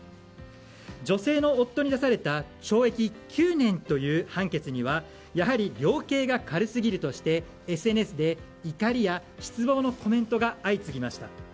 女性の夫に出された懲役９年という判決にはやはり量刑が軽すぎるとしてＳＮＳで怒りや失望のコメントが相次ぎました。